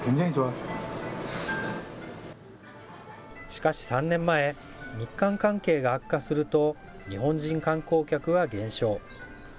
しかし３年前、日韓関係が悪化すると、日本人観光客は減少。